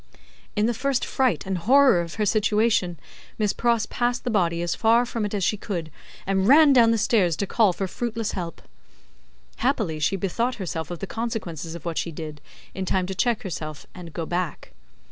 In the first fright and horror of her situation, Miss Pross passed the body as far from it as she could, and ran down the stairs to call for fruitless help. Happily, she bethought herself of the consequences of what she did, in time to check herself and go back.